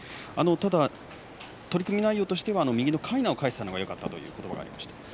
ただ取組内容としては右のかいなを返せたのがよかったということでした。